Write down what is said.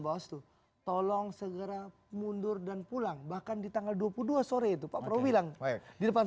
bawaslu tolong segera mundur dan pulang bahkan di tanggal dua puluh dua sore itu pak prabowo bilang di depan